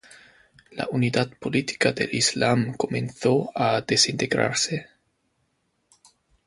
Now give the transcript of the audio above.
La unidad política del islam comenzó a desintegrarse.